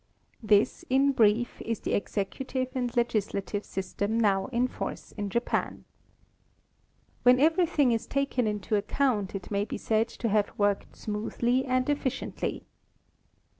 This, in brief, is the executive and legislative system now in force in Japan. When everything is taken into account, it may be said to have worked smoothly and efficiently.